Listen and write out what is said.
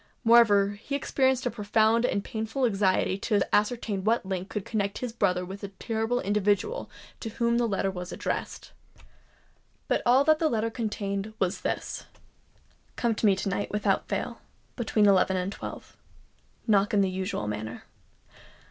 Moreover, he experienced a profound and painful anxiety to ascertain what link could connect his brother with the terrible individual to whom the letter was addressed. But all that the letter contained was this:— "Come to me to night without fail, between eleven and twelve. Knock in the usual manner."